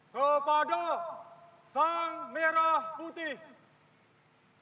kepada sang merah putih